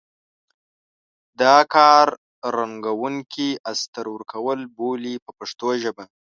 دا کار رنګوونکي استر ورکول بولي په پښتو ژبه.